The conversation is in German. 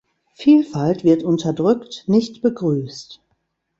Vielfalt wird unterdrückt, nicht begrüßt.